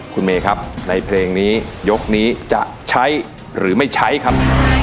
คุณเมย์ครับในเพลงนี้ยกนี้จะใช้หรือไม่ใช้ครับ